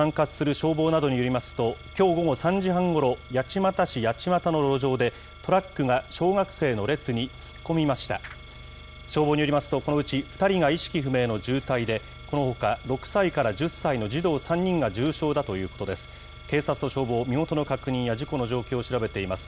消防によりますと、このうち２人が意識不明の重体で、このほか、６歳から１０歳の児童３人が重傷だということです。